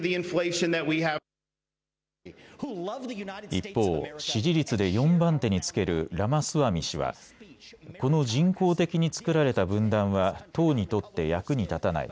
一方、支持率で４番手につけるラマスワミ氏は、この人工的に作られた分断は党にとって役に立たない。